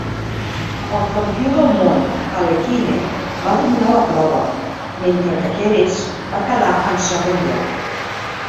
El campió del món Alekhine va dominar la prova, mentre que Keres va quedar en segon lloc.